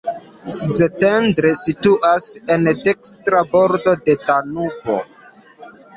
Szentendre situas en dekstra bordo de Danubo.